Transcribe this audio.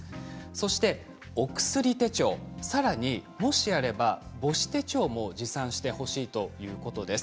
さらに、もしあれば母子手帳も持参してほしいということです。